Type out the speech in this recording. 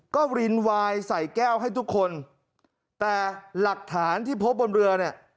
ก็รินวายใส่แก้วให้ทุกคนแต่หลักฐานที่พบบนเรือเนี่ย